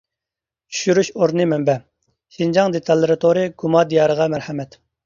چۈشۈرۈش ئورنى مەنبە: شىنجاڭ دېتاللار تورى گۇما دىيارىغا مەرھەمەت!